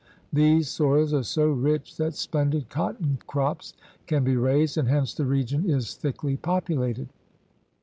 These soils are so rich that splendid cotton crops can be raised, and hence the region is thickly populated.